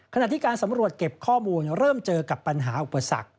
ขณะที่การสำรวจเก็บข้อมูลเริ่มเจอกับปัญหาอุปสรรค